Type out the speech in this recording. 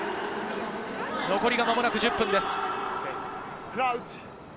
残りが間もなく１０分です。